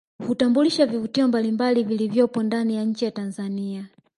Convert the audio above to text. Hutambulisha vivutio mbalimbali vilivyopo ndani ya nchi ya Tanzania